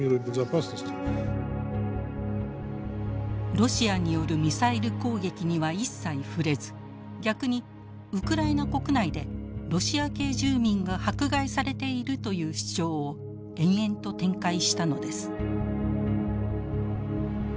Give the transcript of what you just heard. ロシアによるミサイル攻撃には一切触れず逆にウクライナ国内でロシア系住民が迫害されているという主張を延々と展開したのです。